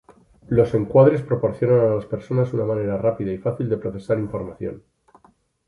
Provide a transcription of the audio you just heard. Los encuadres proporcionan a las personas una manera rápida y fácil de procesar información.